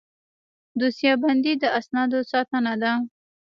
دوسیه بندي د اسنادو ساتنه ده